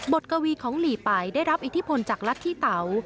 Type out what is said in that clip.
กวีของหลีป่ายได้รับอิทธิพลจากรัฐที่เตา